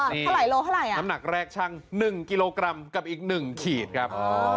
อ๋อน้ำหนักแรกชั่ง๑กิโลกรัมกับอีก๑ขีดครับ